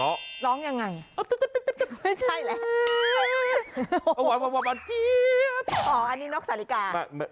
อันนี้นกสาลิกา